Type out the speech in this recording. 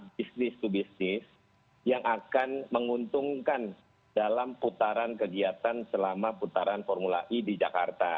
bisnis to bisnis yang akan menguntungkan dalam putaran kegiatan selama putaran formula e di jakarta